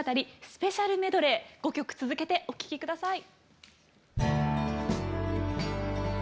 スペシャルメドレー５曲続けてお聴き下さい。